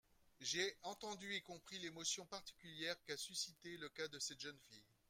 J’ai entendu et compris l’émotion particulière qu’a suscitée le cas de cette jeune fille.